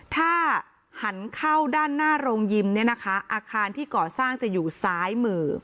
ถ้าหันเข้าด้านหน้าโรงยิมเนี่ยนะคะอาคารที่ก่อสร้างจะอยู่ซ้ายมือ